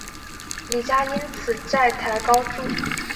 李家因此债台高筑。